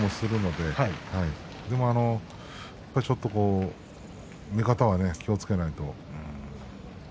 でも、ちょっと目方は気をつけないと。